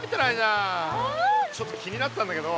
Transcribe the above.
ちょっと気になってたんだけど。